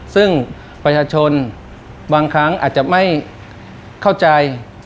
ซึ่งประชาชนบางครั้งอาจจะไม่เข้าใจ